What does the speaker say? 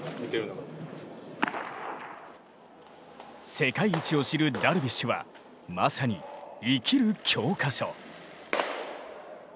世界一を知るダルビッシュはまさに生きる教科書。